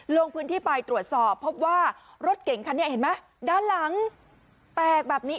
ลงพื้นที่ไปตรวจสอบพบว่ารถเก่งคันนี้เห็นไหมด้านหลังแตกแบบนี้